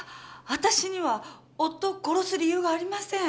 私には夫を殺す理由がありません。